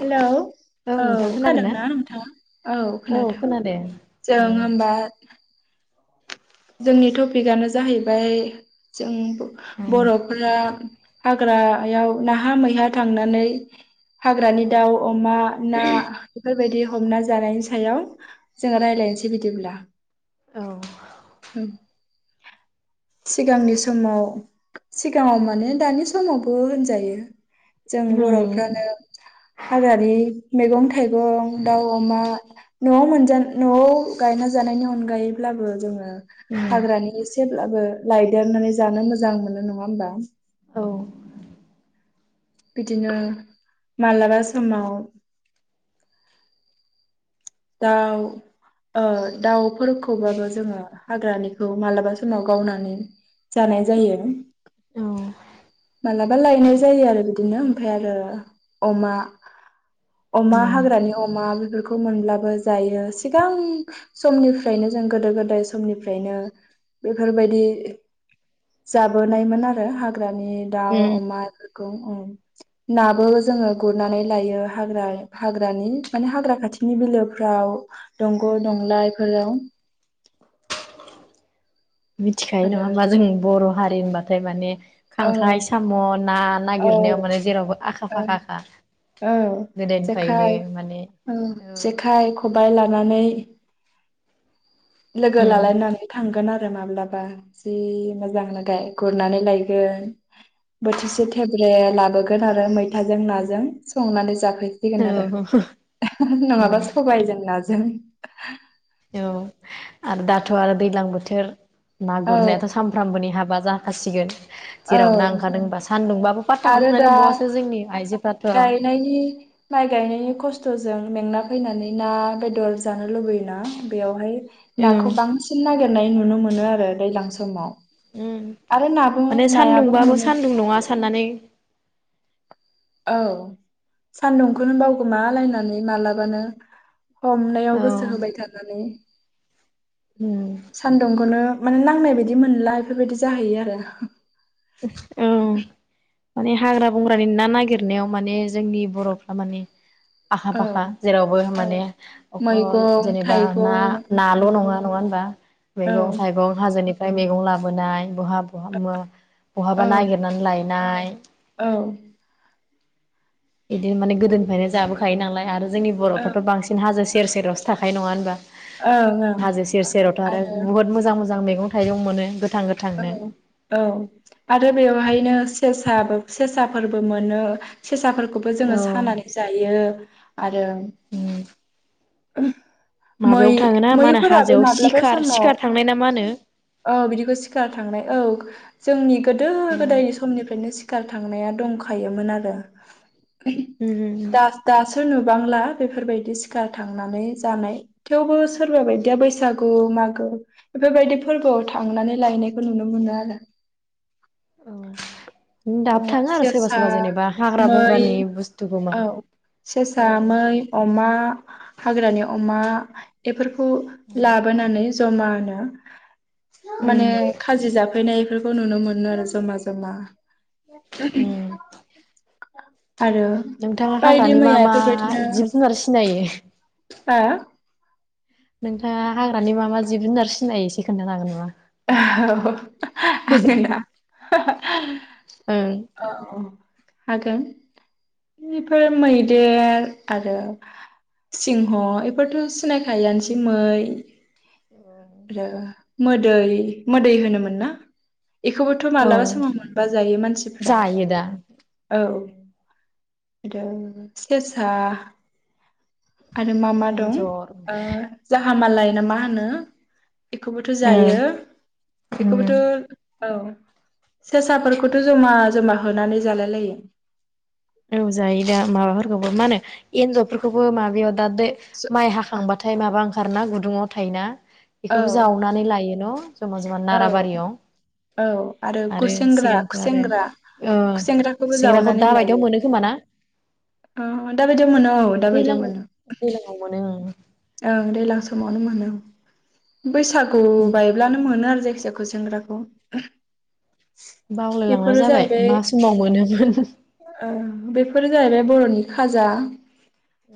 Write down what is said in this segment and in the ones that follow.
Hello औ नोंथां खोनादों ना? खोनादोंना औ नोंथाङा? खोनादों। जों औ होमबा जोंनि टपिकआनो जाहैबाय जों बर'फोरा हा ग्रायाव नाहा मैहा थांनानै हाग्रानि दाउ, अमा, ना बेफोरबायदि हमना जानायनि सायाव जोङो रायलायनोसै बिदिब्ला। औ। सिगांनि समाव सिगाङाव माने दानि समावबो होनजायो। जों उम बर'फ्रानो हाग्रानि मैगं थाइगं, दाउ अमा न'आव मोनजा न'आव गायना जानायनि अनगायैब्लाबो जोङो हाग्रानि एसेब्लाबो लायदेरनानै जानो मोजां मोनो नङा होमबा? औ। बिदिनो मालाबा समाव दाउ ओ दाउ फोरखौबाबो जोङो हाग्रानि खौ मालाबा समाव गावनानै जानाय जायो। उम मालाबा लायनाय जायो आरो बिदिनो। फ्राय आरो अमा अमा हाग्रानि अमा बेफोरखौ मोनब्ला बो जायो सिगां समनिफ्रायनो जों गोदो गोदाय समनिफ्रायनो बेफोरबायदि जाबोनायमोन आरो हाग्रा नि दाउ अमा बेफोरखौ। नाबो जोङो गुरनानै लायो हाग्रा हाग्रानि माने हाग्रा खाथिनि बिलो फ्राव दंग' दंलाफोराव मिथिखायो नङा आरो होमबा जों बर' हारि होनबाथाय माने औ खांख्राइ साम' ना औ नागिरनायाव माने जेरावबो आखा औ फाखाखा औ गोदोनिफ्रायनो जेखाइ माने औ जेखाइ खबाइ लानानै लोगो उम लालायनानै थांगोन आरो माब्लाबा जि मोजांनो गाय गुरनानै लायगोन बोथिसे थेब्रेनो लाबोगोन‌ आरो मैथाजों नाजों संनानै जानो फैगोन आरो औ उम नङाबा सबायजों नाजों [inaudible] औ आरो दाथ' आरो दैज्लां बोथोर ना औ गुरनायाथ' सामफ्रामबोनि हाबा जाखासिगोन। औ जेराव ना ओंखारदोंबा सान्दुंबाबो पाटथाखौनो आरो मोननाय दा नंबावासो जोंनि आइजो गायनायनि माइ गायनायनि खस्थ' जों मेंना फैनानै ना बेदर जानो लुबैयोना बेयावहाय ओं नाखौ बांसिन नागिरनाय नुनो मोनो आरो दैलां समाव उम आरो नाबो माने नायाबो सान्दुंबाबो मोनो सान्दुं नङा साननानै औ सान्दुंखौनो बावगोमालायनानै मालाबानो हमनायाव औ गोसो होबाय थानानै उम सानदुंखौनो माने नांनाय बादि मोनला बेफोरबायदि जाहैयो आरो उम माने हाग्रा-बंग्रानि ना नागिरनायाव माने जोंनि बर'फ्रा माने औ आखा-फाखा जेरावबो औ माने अखल मैगं जेनेबा ना थाइगं नाल' नङा नङा होनबा औ मैगं-थाइगं हाजोनि फ्राय मैगं लाबोनाय बहा बहा मा औ बहाबा नागिरनानै लाय नाय औ औ बिदिनो माने गोदोनिफ्रायनो जाबोखायो नालाय आरो जोंनि बर'फ्राथ' बांसिन हाजो सेर सेरावसो थाखायो नङा होनबा ओं हाजो सेर सेरावथ' आरो बुहुत मोजां मो मैंगं-थाइगं मोनो गोथां औ गोथांनो औ आरो बेवहायनो सेसाबो सेसा फोरबो मोनो सेेसाफोरखौबो औ जोङो सानानै जायो। आरो [inaudible] उम मै माबायाव थाङोना मा होनो मैफोराबो हाजोआव माब्लाबा सिखार समाव सिखार थांनाय ना मा होनो औ जोंनि गोदो उम गोदायनि समनिफ्रायनो [unintelligible] थांनाया दंखायोमोन आरो उम दा दासो नुबांला बेफोरबायदि सिखार थांनानै जानाय थेवबो सोरबा बायदिया बैसागु मागो बेफोरबायदि फोरबोआव थांनानै लायनायखौ नुनो मोनो आरो उम औ अ दाबो थाङो आरो सोरबा सेसा सोरबा जेनेबा हाग्रा मै बंग्रानि बुस्थुखौ मा औ सेसा मै अमा हाग्रानि अमा बेफोर [unintelligible] लाबोनानै जमानो [inaudible] माने उम खाजि जाफैनाय [unintelligible] नुनो मोनो आरो जमा जमा उम [unintelligible] नोंथाङा बायदि हाग्रानि मा मैया मा बेफोरबायदिनो हो जिब जुनार सिनायो [inaudible] [unintelligible] नोंथाङा हाग्रानि मा मा जिब जुनार सिनायो एसे खोन्थानो हागोन नामा [unintelligible] [inaudible] अ ओं औ हागोन बेफोर मैदेर आरो सिंह इफोरथ' सिनायखायोआनोसै मै आरो [unintelligible] दै मोदै होनोमोन ना बेखौबोथ' औ मालाबा समाव मोनबा जायो मानसिफ्रा जायो दा औ आरो सेसा आरो मा मा दं एन्जर ओ हामाालाय ना मा होनो बेखौ ओं जायो उम बेखौबोथ' औ सेसाफोरखौथ' जमा जमा होनानै जालाय लायो औ जायो दा माबाफोरखौबो मा होनो एन्नजरफोरखौबो माबा [unintelligible] माइ हाखांबाथाय माबा खारना गुदुङाव थायोना औ बेखौबो जावनानै लायो न' जमा जमा औ नाराबारियाव औ आरो गुसेंग्रा सिगांथ' आरो खुसेेंग्रा खुसेंग्राखौबो जावनानै लाय बेयाव मोनो खोमा ना दाबायदियाव मोनो औ दाबायदियाव दैलांआव मोनो दैलांआव मोनो उम ओं दैलां समावनो मोनो बैसागु उम बायब्लानो मोनो जायखिया खुसेंग्राखौ बावलायलांनाय बेफोरो जाबाय जाहैबाय मा समाव मोनोमोन ओ बेफोरो जाहैबाय बर'नि खाजा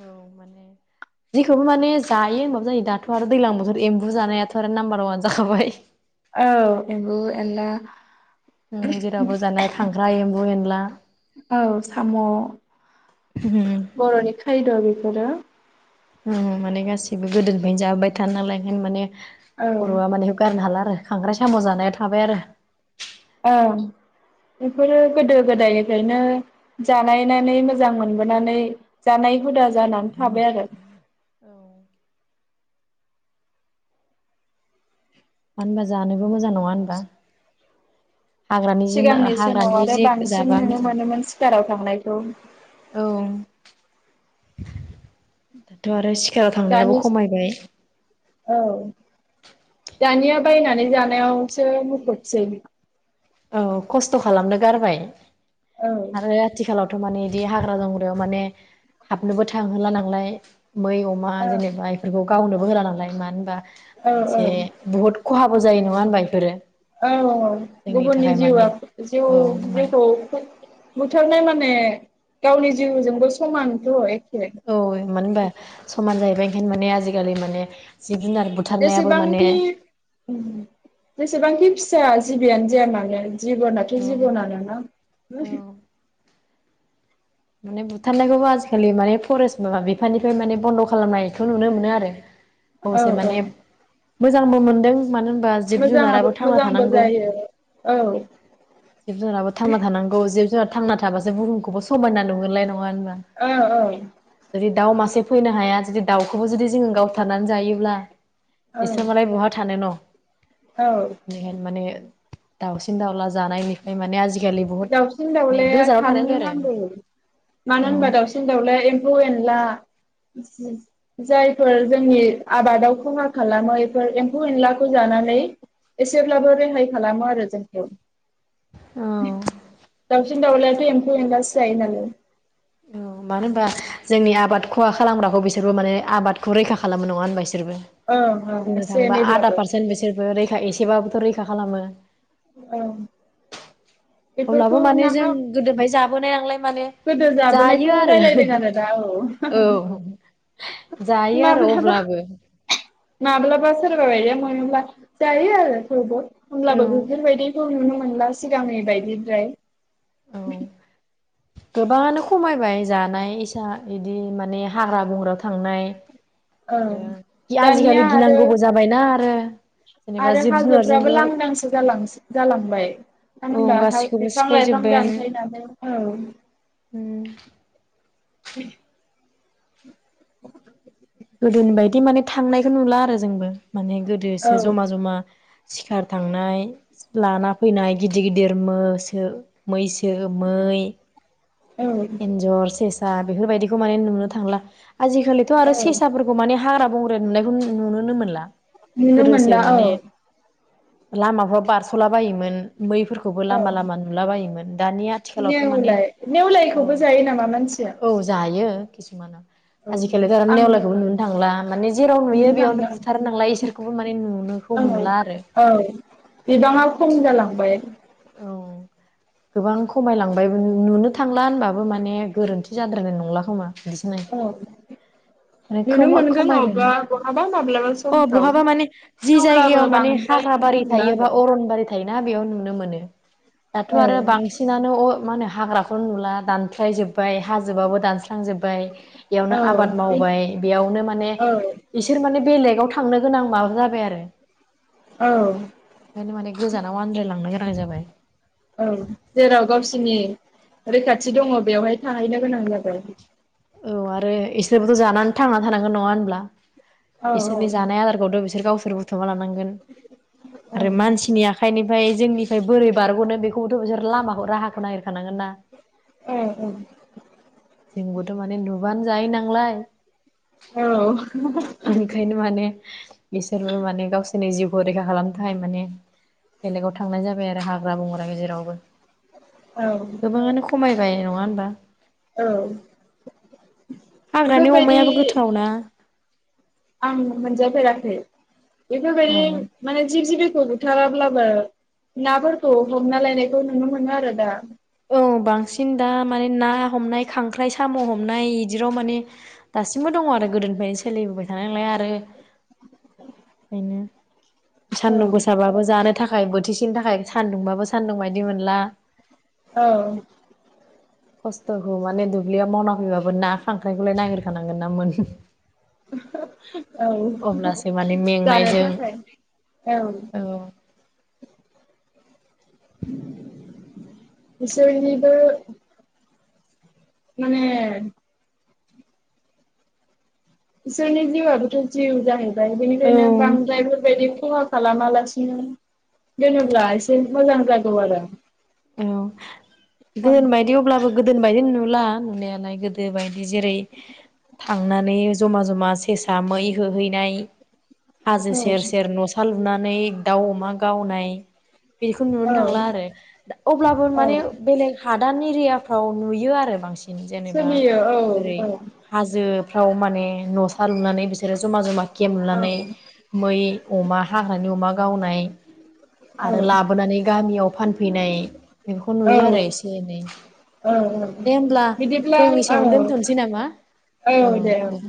औ माने जेखौबो माने जायो होनबाबो जायो दाथ' आरो दैलां बोथोर एम्बु जानायाथ' आरो नाम्बार वान जाखाबाय। औ एमबु एनला उम जेरावबो जानाय खांख्राइ एम्बु एन ला। औ साम' बर'नि खायद' बेफोरो नोंगौ माने गासिबो गोदोनिफ्रायनो जाबोबाय थानालाय ओंखायनो माने औ बर'आ माने बे गारनो हाला ओ खांख्राय साम' जानाया थाबाय आरो ओं बेफोरो गोदो गोदायनिफ्रायनो जानायनानै मोजां मोनबोनानै जानाय हुदा जानानै थाबाय आरो मानो मानो होनबा जानोबो मोजां नङा होनबा हाग्रानि जुन सिगांनि समाव हाग्रानि आरो जेखौ बांसिन जाबा नुनो मोजां मोनोमोन सिखाराव थांनायखौ औ दाथ' आरो सि खाराव थांनायाबो दानि खमायबाय औ दानिया बायनानै जानायावसो मुखुबसै औ खस्थ' खालामनो गारबाय औ आरो आथिखालाव थ' माने इदि हाग्रा दंग्रायाव माने हाबनोबो थांहोला नालाय मै अमा औ जेनेबा इफोरखौ गावनो बो होला नालाय मानो होनबा औ मोनसे बुहुत खहा बो जायो नङा होनबा इफोरो औ गुबुननि जिउआ औ मानो जिउ-जिउखौ बुथार बुथारनाय माने गावनि जिउजोंबो समानथ' ए औ इ मोन होनबा समान जाहैबाय ओंखायनो माने आजिखालि माने जिब जुनार बुथारनायाबो माने जेसेबांखि उम जेसेबांखि फि सा जिबियानो जाया मानो जिबनाथ' औ जिबनानो ना औ माने बुथारनायखौबो आजिखालि माने फरेस्ट माबा बिफाननिफ्राय माने बन्द' खालामनाय खौ नुनो मोनो आरो औ अबसे माने औ मोजांबो मोनदों मानो होनबा जिब मोजाङाबो जुनाराबो थांना मोजांबो थानांगौ जायो औ जिब जुनाराबो थांना थानांगौ जिब जुनार थां थाबासो बुहुमखौबो स समायना नुगोनलाय नङा होन बा औ जुदि दाउ मा से फैनो हाया जुदि दाउखौबो जुदि जोङो गावथारनानै जायोब्ला इसोर मालाय औ बहा थानो न' औ [unintelligible] माने दाउसिन दाउला जानायनिफ्राय माने आजि दाउसिन दाउलाया थानोननो नांगौ आरो मानो औ होनबा दाउसिन दाउलाया एम्फौ एनला जायफोर जोंनि आबादाव खहा खालामो बेफोर एम्फौ एनलाखौ जानानै एसेब्लाबो रेहाय खालामो आरो जोंखौ औ दावसिन दावलायाथ एम्फौ एनलासो नालाय औ मानो होनबा जोंनि आबाद खहा खालामग्रा खौ बिसोरबो माने आबादखौ रैखा खालामो नंङा होनबा बिसोरबो ओं ओं बुंनो एसे थाङोबा आदा एनैब्लाबो पारसेन्ट बिसोरबो रै एसेबाबोथ' रैखा खालामो। औ अब्लाबो माने जों गोदोनिफ्राय जाबोनाय नालाय माने गोदो जाबोनायखौ जायो आरो रायलायदों आरो दा औ जायो आरो माब्लाबा अब्लाबो माब्लाबा सोरबा बायदिआ मोनोब्ला जायो आरो बयबो। औ होनब्लाबो बेफोर बायदिखौ नुनो मोनला सिगांनि बायदि द्राय गोबांङानो खमायबाय जानाय इसा बिदि माने हाग्रा बंग्रायाव थांनाय औ आरो दानिया आजिखालि आरो गिनांगौबो जाबाय ना आरो [inaudible] आरो जिब हाजोफ्राबो जुनारजोंबो लांदांसो जालां जालांबाय मानो औ होनबा हा गासिखौबो बिफां लाइफां सिफायजोब्बायानो दानफैनानै औ ओम [inaudible] [inaudible] गोदोनि बायदि माने थांनायखौ नुला आरो जोंबो। माने गोदो औ एसे जमा जमा सिखार थांनाय लाना फैनाय गिदिर गिदिर मोसो मैसो मै औ एनजर सेस सा बेफोरबायदिखौ माने नुनो थांला आजिखालिथ' आरो औ सेसाफोरखौ माने हाग्रा बंग्र नुनायखौ नुनोनो मोनला। नुनो गोदोसो मोनला ओ माने लामाफ्राव बारस'ला बायोमोन मैफोरखौबो औ लामा लामा नुलाबायोमोन नेवलाय नेवलाय खौबो जायो नामा मानसिया? आयो खिसुमाना औ आजिखालिथ' आरो आं नेवलायखौबो नुनो थांला माने जेराव नुयो नुनो बेयावनो थांला बुथारो नालाय इसोरखौबो माने नुनोखौ औ मोनला आरो। औ बिबाङा खम जालांबाय औ गोबां खमायलांबायबो नुनो थांला होनबाबो माने गोरोन्थि जाद्रायनाय नंला खोमा। औ [inaudible] नुनो मोनगोन खमा-खमायबाय अबेबा न बहाबा माब्लाबा अ समफ्राव बहाबा माने जि थेवब्लाबो जायगायाव माने बांद्राय हाग्र नुनो बारि मोनला थायोबा अरनबारि थायोना बेयाव नुनो मोनो दाथ' आरो बांसिनानो अ मा होनो हाग्राखौ नुला दानख्लाय जोब बाय हाजोबाबो दानस्रांजोब्बाय इयावनो औ आबाद मावबाय बेयावनो माने इसोर माने बेलेगाव थांनो गोनां माबा जाबाय आरो औ ओंखायनो माने गोजानाव आद्रायलांनाय [inaudible] जाबाय औ जेराव गावसिनि रैखाथि दङ' बेवहाय थाहैनो गोनां जाबाय औ आरो इसोरबोथ' जानानै थांनानै थानांगोन नङा होनब्ला औ इसोरनि जानाय औ आदारखौथ' बिसोर गावसो [unintelligible] र बुथोमना लानां गोन आरो मानसिनि आखायनि फाय जोंनिफाय बोरै बारग'नो बेखौथ' बिसोर लामाखौ राहाखौ नागिर खानांगोन ना जोंबोथ' माने नुबानो जायो नांलाय औ ओंखायनो माने बिसोरबो माने गावस सोरनि जोंनि जिउखौ रैखा खालामनो थाखाय माने बेलेगाव थांनाय जाबाय आरो हाग्रा बंग्रा गेजेरावबो औ गोबाङानो खमायबाय नङा होनबा औ हाग्रानि बेफोरबायदि अमायाबो गोथाव ना आं मोनजाफेराखै बेफोर बादि उम माने जिब -जिबि खौ बुथाराब्लाबो नाफोरखौ हमना लायनायखौ नुनो मोनो आरो दा औ बांसिन दा माने ना हमनाय खांख्राइ साम' हमनाय इदिल' माने दासिमबो दङ' आरो गोदोनिफ्रायनो सोलिबोबाय थानाय नालाय आरो ओंखायनो औ सान्दुं गोसाबाबो जानो थाखाय बोथिसेनि थाखाय सान्दुंबाबो सान्दुं बायदि मोनला औ खस्थ'खौ माने दुब्लियाव मावना फैबाबो ना खांख्राइखौलाय नायागिरखानांगोन ना मोन [unintelligible] औ अब्लासो माने जानो मेंनायजों थाखाय औ बिसोरनिबो माने इसोरनि जिउआबो जिउ जाहै [unintelligible] बेनिखायनो बांद्राय बेफोरबायदि खहाख खालामालासिनो दोनोब्ला एसे मोजां जागौ आरो औ ओं गोओन बायदि अब्लाबो गोदोनि बायदि नुला नुनायालाय गोदो बायदि जेरै थांनानै जमा जमा सेसा मै होहैनाय हाजो सेर सेर औ न' सा लु बुनानै दाउ अमा गावनाय बेखौ नुनो औ थांला आरो अब्लाबो औ माने बेलेग हादान एरियाफ्राव नुयो आरो बांसिन। जेनेबा सोलियो औ ओैरै औ होजो औ माने न' सा लुनानै बिसोरो जमा जमा औ केमलुनानै मै अमा हाग्रानि अमा गावनाय औ आरो लाबोनानै गामियाव फानफैनाय बिदिनो बेखौ औ नुयो आरो एसे एनै औ दे हब्ला बिदिब्ला जों औ इसेायावनो दोनथ'नोसै नामा औ दे